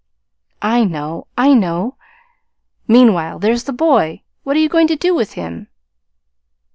"I know, I know. Meanwhile, there's the boy. What are you going to do with him?"